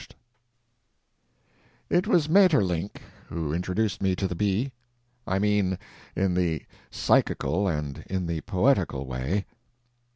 THE BEE It was Maeterlinck who introduced me to the bee. I mean, in the psychical and in the poetical way.